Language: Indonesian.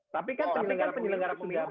tapi kan penyelenggara pemilu sudah berusaha